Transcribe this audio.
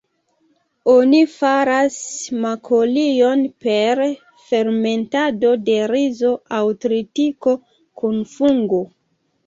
Oni faras makolion per fermentado de rizo aŭ tritiko kun fungo.